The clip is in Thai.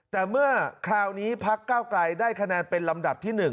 แต่เมื่อคราวนี้พักเก้าไกลได้คะแนนเป็นลำดับที่๑